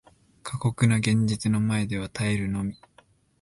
過酷な現実の前では耐えるのみ